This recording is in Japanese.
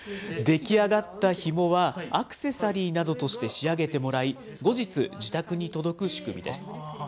出来上がったひもは、アクセサリーなどとして仕上げてもらい、後日、自宅に届く仕組みです。